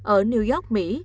ở new york mỹ